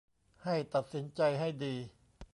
ให้ตัดสินใจให้ดี